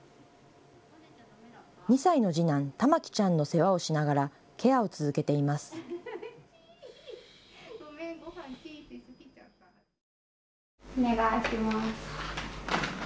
２歳の次男、圭護来ちゃんの世話をしながらケアを続けています。